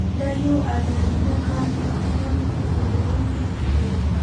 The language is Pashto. دا یو عادلانه کار دی خو مرګ ځورونکی هم دی